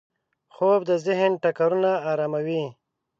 خوب د ذهن ټکرونه اراموي